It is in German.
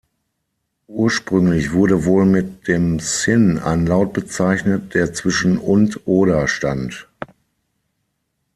Ursprünglich wurde wohl mit dem Sin ein Laut bezeichnet, der zwischen und oder stand.